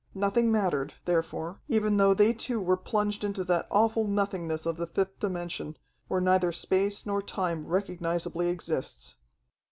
Nothing mattered, therefore, even though they two were plunged into that awful nothingness of the fifth dimension, where neither space nor time recognizably exists.